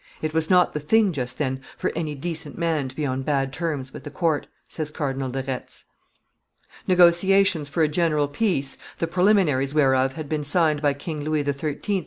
"It was not the thing just then for any decent man to be on bad terms with the court," says Cardinal de Retz. Negotiations for a general peace, the preliminaries whereof had been signed by King Louis XIII.